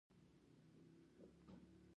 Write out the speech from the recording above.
دلته خو د ژمنیو لوبو لپاره ځای نشته.